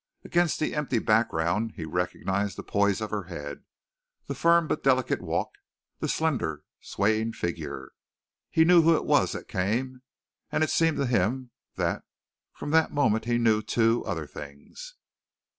Against the empty background he recognized the poise of her head, the firm but delicate walk, the slender, swaying figure. He knew who it was that came, and it seemed to him that from that moment he knew, too, other things!